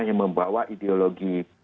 yang membawa ideologi